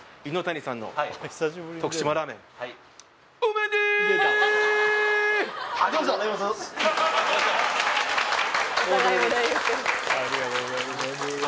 はいはいありがとうございます